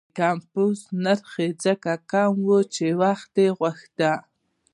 د کمپوز نرخ یې ځکه کم و چې وخت یې غوښته.